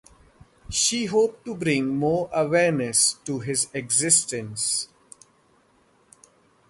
She hoped to bring more awareness to his existence.